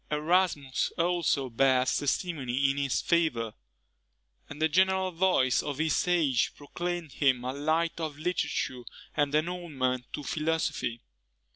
Erasmus also bears testimony in his favour; and the general voice of his age proclaimed him a light of literature and an ornament to philosophy.